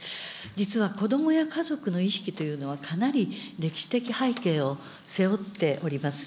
実は子どもや家族の意識というのは、かなり歴史的背景を背負っております。